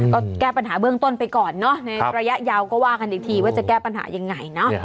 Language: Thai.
ก็แก้ปัญหาเบื้องต้นไปก่อนเนอะในระยะยาวก็ว่ากันอีกทีว่าจะแก้ปัญหายังไงเนาะ